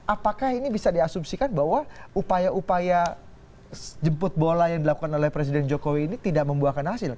apakah ini bisa diasumsikan bahwa upaya upaya jemput bola yang dilakukan oleh presiden jokowi ini tidak membuahkan hasil